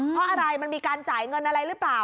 เพราะอะไรมันมีการจ่ายเงินอะไรหรือเปล่า